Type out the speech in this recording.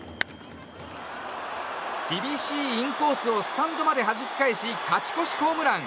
厳しいインコースをスタンドまではじき返し勝ち越しホームラン。